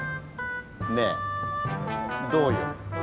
ねえどうよ。